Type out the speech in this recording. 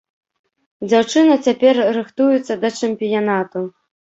Дзяўчына цяпер рыхтуецца да чэмпіянату.